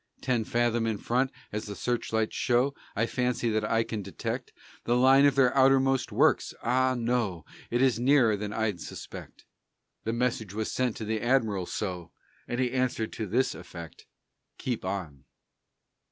Ten fathom in front, as the search lights show, I fancy that I can detect The line of their outermost works Ah, no! It is nearer than I'd suspect." The message was sent to the admiral so, And he answered to this effect: "Keep on."